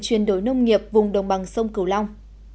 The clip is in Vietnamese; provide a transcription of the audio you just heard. chuyển đổi nông nghiệp vùng đồng bằng sông cửu long